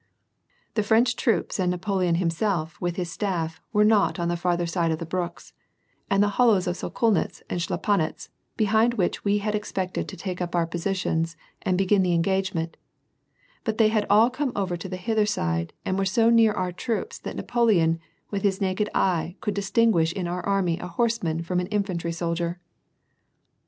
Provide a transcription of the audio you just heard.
The French troops and Napoleon himself with his staff were not on the farther side of the brooks, and the hollows of Sokolnitz and Schlapanitz behind which we had exjjected to take up our position and begin the engagement, but they had all come over to the hither side and were so near our troops that Napoleon with his naked eye could distinguish in our army a horseman from an infantry soldier.